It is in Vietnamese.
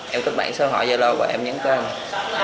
em cất bản số hỏi giao lô và em nhấn kênh